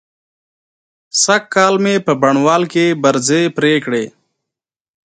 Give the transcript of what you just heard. سږکال مې په بڼوال کې برځې پرې کړې.